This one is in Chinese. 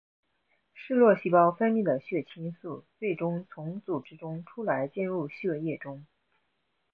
嗜铬细胞分泌的血清素最终从组织中出来进入血液中。